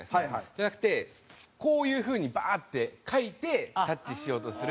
じゃなくてこういう風にバーッてかいてタッチしようとするヤツがいる。